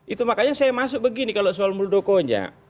itu makanya saya masuk begini kalau soal muldokonya